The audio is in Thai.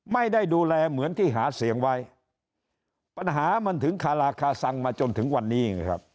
ไม่ได้ดูแลเหมือนที่หาเสียงไว้ปัญหามันถึงคาราคาซังมาจนถึงวันนี้ไงครับ